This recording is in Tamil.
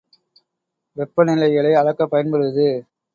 வெப்ப நிலைகளை அளக்கப் பயன்படுவது.